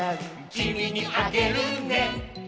「きみにあげるね」